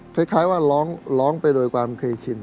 คล้ายว่าร้องไปโดยความเคยชิน